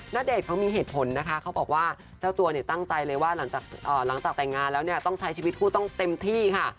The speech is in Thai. ณเดชนเขามีเหตุผลนะคะเขาบอกว่าเจ้าตัวเนี่ยตั้งใจเลยว่าหลังจากแต่งงานแล้วเนี่ยต้องใช้ชีวิตคู่ต้องเต็มที่ค่ะ